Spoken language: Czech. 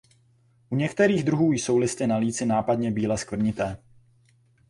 U některých druhů jsou listy na líci nápadně bíle skvrnité.